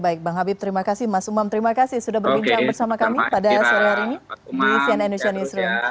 baik bang habib terima kasih mas umam terima kasih sudah berbincang bersama kami pada sore hari ini di cnn indonesia newsroom